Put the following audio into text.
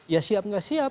ya siap nggak siap